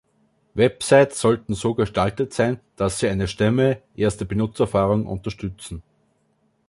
Websites sollten so gestaltet sein, dass sie eine Stimme erste Benutzererfahrung unterstützen.